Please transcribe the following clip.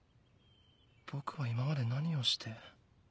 僕は今まで何をして。